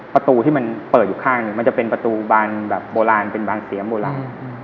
ประตูที่มันเปิดอยู่ข้างหนึ่งมันจะเป็นประตูบานแบบโบราณเป็นบานเซียมโบราณ